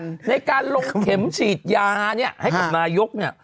ในการลงเข็มฉีดยาเนี่ยให้กับนายกเนี่ย